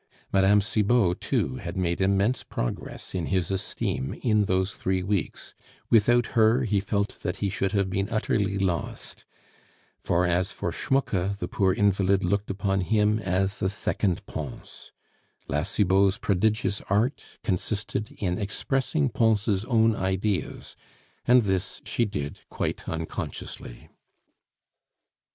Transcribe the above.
Mme. Cibot, too, had made immense progress in his esteem in those three weeks; without her he felt that he should have been utterly lost; for as for Schmucke, the poor invalid looked upon him as a second Pons. La Cibot's prodigious art consisted in expressing Pons' own ideas, and this she did quite unconsciously.